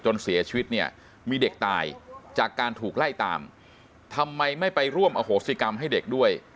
เสียชีวิตเนี่ยมีเด็กตายจากการถูกไล่ตามทำไมไม่ไปร่วมอโหสิกรรมให้เด็กด้วย